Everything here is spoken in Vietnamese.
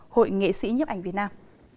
hội nghệ sĩ nhiếp ảnh việt nam